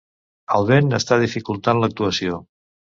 El vent n’està dificultant l’actuació.